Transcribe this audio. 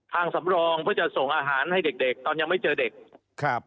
สำรองเพื่อจะส่งอาหารให้เด็กเด็กตอนยังไม่เจอเด็กครับ